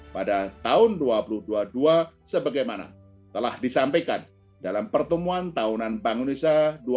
pada tahun dua ribu dua puluh dua sebagaimana telah disampaikan dalam pertemuan tahunan bank indonesia dua ribu dua puluh